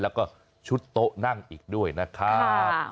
แล้วก็ชุดโต๊ะนั่งอีกด้วยนะครับ